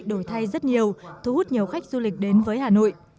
đổi thay rất nhiều thu hút nhiều khách du lịch đến với hà nội